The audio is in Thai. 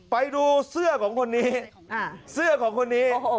ไปดูเสื้อของคนนี้